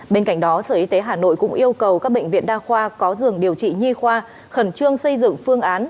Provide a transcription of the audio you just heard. bên cạnh đó sở y tế hà nội cũng yêu cầu các bệnh viện đa khoa có giường điều trị nhi khoa khẩn trương xây dựng phương án